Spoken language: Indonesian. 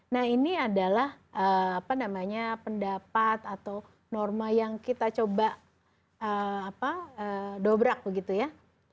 nah ini adalah pendapat atau norma yang kita coba dobrak begitu ya